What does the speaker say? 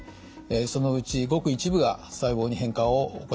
そのうちごく一部が細胞に変化を起こします。